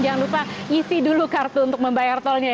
jangan lupa isi dulu kartu untuk membayar tolnya